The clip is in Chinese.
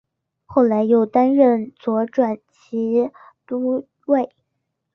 后来又担任左转骑都尉。